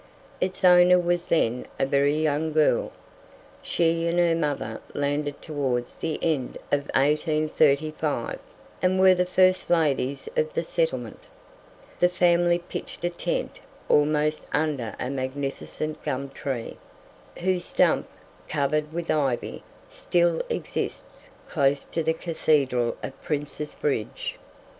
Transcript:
Its owner was then a very young girl. She and her mother landed towards the end of 1835, and were the first ladies of "the settlement." The family pitched a tent almost under a magnificent gum tree, whose stump, covered with ivy, still exists close to the Cathedral at Prince's Bridge.